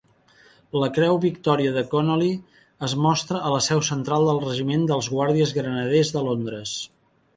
La creu Victòria de Conolly es mostra a la seu central del Regiment dels Guàrdies Granaders de Londres.